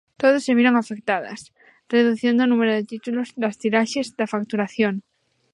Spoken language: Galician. Todas se viron afectadas: redución do número de títulos, das tiraxes, da facturación.